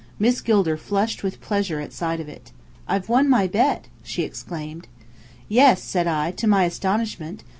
Miss Gilder flushed with pleasure at sight of it. "I've won my bet!" she exclaimed. "Yes," said I. "To my astonishment!